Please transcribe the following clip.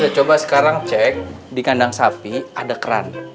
coba sekarang cek di kandang sapi ada keran